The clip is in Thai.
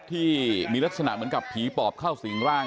ที่มีลักษณะเหมือนกับผีปอบเข้าสิงร่าง